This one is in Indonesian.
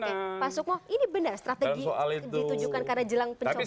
oke pak sukmo ini benar strategi ditujukan karena jelang pencopotan